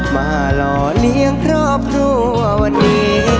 หล่อเลี้ยงครอบครัววันนี้